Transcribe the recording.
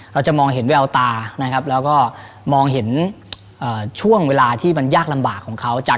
เราจะมองเห็นแววตานะครับแล้วก็มองเห็นช่วงเวลาที่มันยากลำบากของเขาจาก